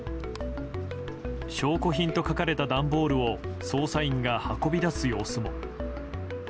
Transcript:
「証拠品」と書かれた段ボールを捜査員が運び出す様子も。